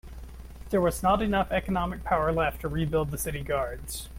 There was not enough economic power left to rebuild the city guards.